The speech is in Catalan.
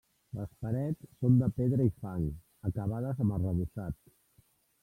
Les parets són de pedra i fang, acabades amb arrebossat.